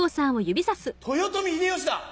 豊臣秀吉だ！